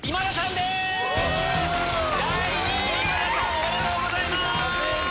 おめでとうございます！